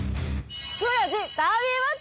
福おやじダービーマッチ！